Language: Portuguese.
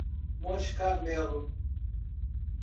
Monte Carmelo